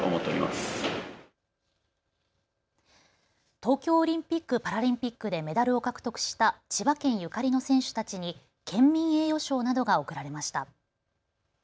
東京オリンピック・パラリンピックでメダルを獲得した千葉県ゆかりの選手たちに県民栄誉賞などが贈られました。